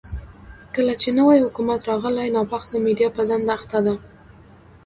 کله چې نوی حکومت راغلی، ناپخته میډيا په دنده اخته ده.